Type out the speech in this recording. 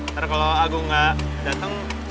ntar kalau agung gak dateng